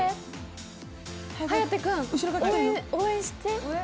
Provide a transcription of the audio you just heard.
颯君、応援して。